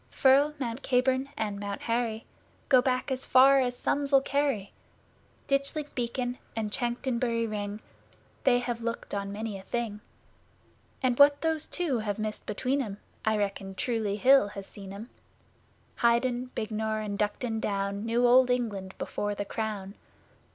Firle, Mount Caburn and Mount Harry Go back as far as sums'll carry. Ditchling Beacon and Chanctonbury Ring, They have looked on many a thing; And what those two have missed between 'em I reckon Truleigh Hill has seen 'em. Highden, Bignor and Duncton Down Knew Old England before the Crown.